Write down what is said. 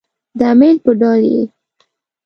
د امیل په ډول يې